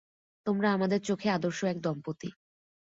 তোমরা আমাদের চোখে আদর্শ এক দম্পতি।